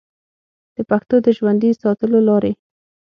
د پښتو د ژوندي ساتلو لارې